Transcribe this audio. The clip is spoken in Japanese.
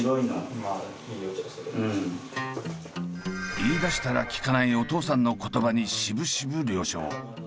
言いだしたらきかないお父さんの言葉にしぶしぶ了承。